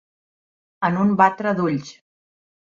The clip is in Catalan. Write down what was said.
En un batre d'ulls.